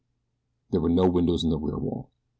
There were no windows in the rear wall.